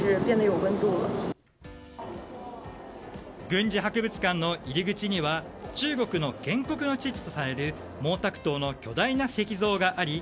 軍事博物館の入り口には中国の建国の父とされる毛沢東の巨大な石像があり